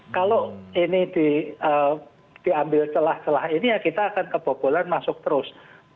kalau ini diambil celah celah ini ya kita akan kebobolan masuk terus